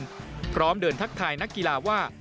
ที่ฟิลิปปินส์พร้อมเดินทักทายนักกีฬาว่า